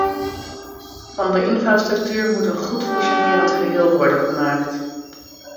Van de infrastructuur moet een goed functionerend geheel worden gemaakt.